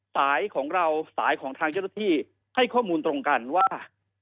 สายของเราสายของทางเจ้าหน้าที่ให้ข้อมูลตรงกันว่า